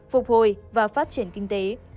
phục hồi và phát triển kinh tế